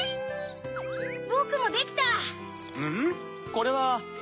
これは。